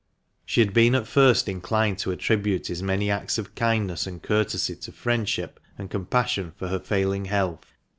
She had been at first inclined to attribute his many acts of kindness and courtesy to friendship and compassion for her failing health.